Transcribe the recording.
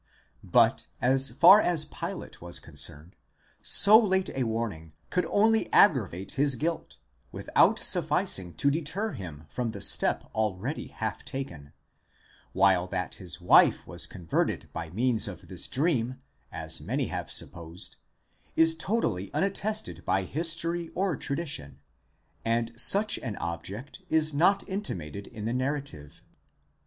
But as far as Pilate was con cerned, so late a warning could only aggravate his guilt, without sufficing to deter him from the step already half taken; while that his wife was converted by means of this dream, as many have supposed, is totally unattested by his tory or tradition, and such an object is not intimated in the narrative.